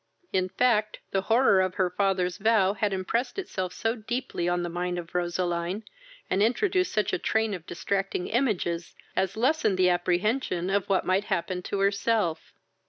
In fact, the horror of her father's vow had impressed itself so deeply on the mind of Roseline, and introduced such a train of distracting images, as lessened the apprehension of what might happen to herself.